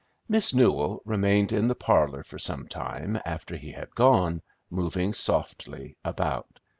Miss Newell remained in the parlor for some time, after he had gone, moving softly about.